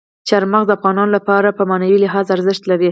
چار مغز د افغانانو لپاره په معنوي لحاظ ارزښت لري.